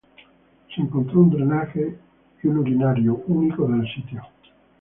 Se encontró un drenaje y un urinario, únicos del sitio.